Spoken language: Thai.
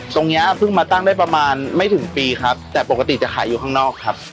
เนี้ยเพิ่งมาตั้งได้ประมาณไม่ถึงปีครับแต่ปกติจะขายอยู่ข้างนอกครับ